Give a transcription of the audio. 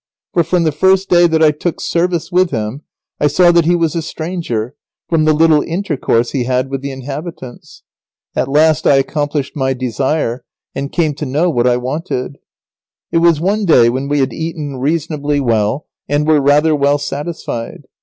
For, from the first day that I took service with him, I saw that he was a stranger, from the little intercourse he had with the inhabitants. [Sidenote: The esquire tells his story to Lazaro.] At last I accomplished my desire, and came to know what I wanted. It was one day when we had eaten reasonably well, and were rather well satisfied.